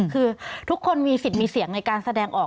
คือทุกคนมีสิทธิ์มีเสียงในการแสดงออก